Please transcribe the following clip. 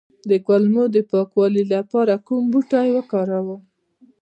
د کولمو د پاکوالي لپاره کوم بوټی وکاروم؟